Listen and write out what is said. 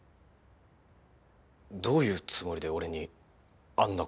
どういうつもりで俺にあんな事。